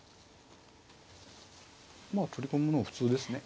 まあ取り込むの普通ですね。